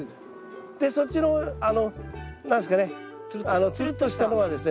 でそっちの何ですかねつるっとしたのはですね